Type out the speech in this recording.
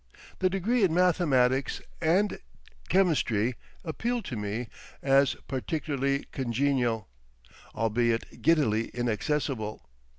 The degree in mathematics and chemistry appealed to me as particularly congenial—albeit giddily inaccessible.